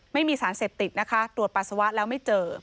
ไม่มีสารเสพติดนะคะตรวจปัสสาวะแล้วไม่เจอ